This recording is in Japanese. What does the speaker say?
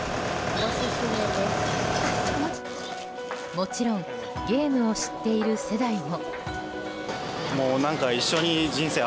もちろんゲームを知っている世代も。